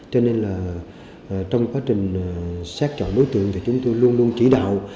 cho nên là trong quá trình xét chọn đối tượng thì chúng tôi luôn luôn chỉ đạo